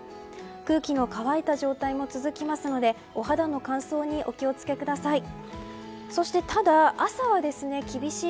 空気の乾いた状態も続きますのでお肌の乾燥にお気を付けください。